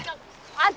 あっ！